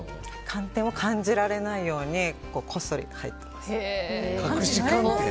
寒天は感じられないようにこっそり入っています。